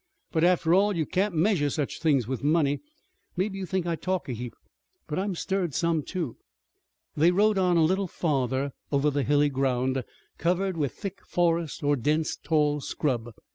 But, after all, you can't measure such things with money. Maybe you think I talk a heap, but I'm stirred some, too." They rode on a little farther over the hilly ground, covered with thick forest or dense, tall scrub.